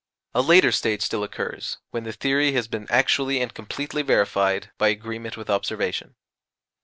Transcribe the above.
A later stage still occurs when the theory has been actually and completely verified by agreement with observation.